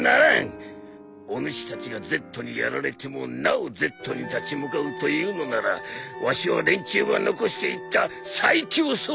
お主たちがＺにやられてもなおＺに立ち向かうというのならわしは連中が残していった最強装備を渡したい。